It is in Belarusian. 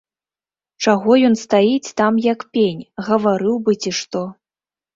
Чаго ён стаіць там, як пень, гаварыў бы, ці што.